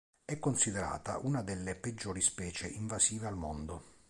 È considerata una delle peggiori specie invasive al mondo.